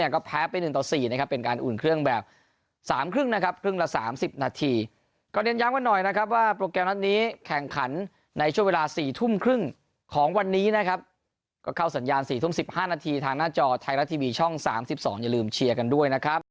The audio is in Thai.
การอุ่นเครื่องแบบสามครึ่งนะครับครึ่งละสามสิบนาทีก็เน้นย้ำกันหน่อยนะครับว่าโปรแกรมนัดนี้แข่งขันในช่วงเวลาสี่ทุ่มครึ่งของวันนี้นะครับก็เข้าสัญญาณสี่ทุ่มสิบห้านาทีทางหน้าจอไทยละทีวีช่องสามสิบสองอย่าลืมเชียร์กันด้วยนะครับ